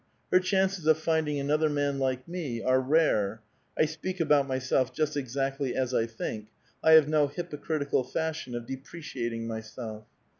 Her chances of find ing another man like me are rare (I speak about myself just exactly as I think ; I have no hypocritical fashion of depre ciating myself)